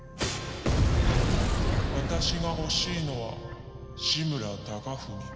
私がほしいのは志村貴文